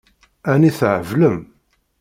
Ɛni theblem?